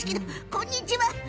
こんにちは。